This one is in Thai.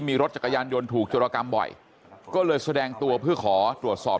มีรถจักรยานยนต์ถูกจรกรรมบ่อยก็เลยแสดงตัวเพื่อขอตรวจสอบ